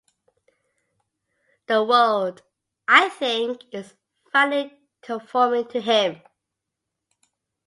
The world, I think, is finally conforming to him.